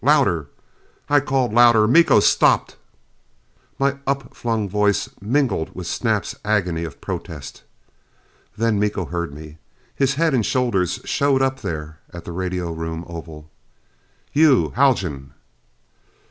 "Louder!" I called louder: "Miko! Stop!" My upflung voice mingled with Snap's agony of protest. Then Miko heard me. His head and shoulders showed up there at the radio room oval. "You Haljan?"